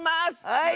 はい！